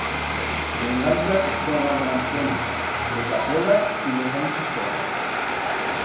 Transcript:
M'enganchan d'o garganchón, me capolan y me fan chistorra.